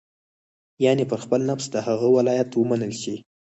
یعنې پر خپل نفس د هغه ولایت ومنل شي.